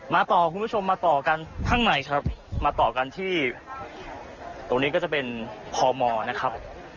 ต่อคุณผู้ชมมาต่อกันข้างในครับมาต่อกันที่ตรงนี้ก็จะเป็นพมนะครับ